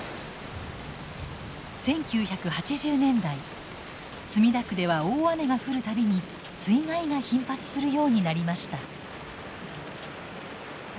１９８０年代墨田区では大雨が降る度に水害が頻発するようになりました。